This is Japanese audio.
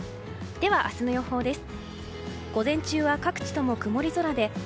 では、明日の予報です。